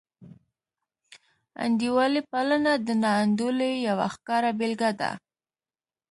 انډیوالي پالنه د ناانډولۍ یوه ښکاره بېلګه ده.